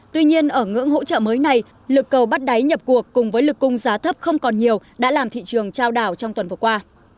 tuy nhiên ở ngưỡng hỗ trợ mới này lực cầu bắt đáy nhập cuộc cùng với lực cung giá thấp không còn nhiều đã làm thị trường trao đảo trong tuần vừa qua